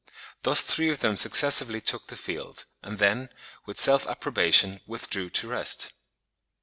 Thus three of them successively took the field, and then, with self approbation, withdrew to rest."